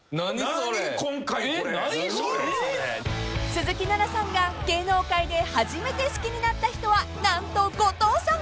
［鈴木奈々さんが芸能界で初めて好きになった人は何と後藤さん］